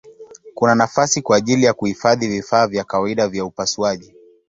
Kuna nafasi kwa ajili ya kuhifadhi vifaa vya kawaida vya upasuaji.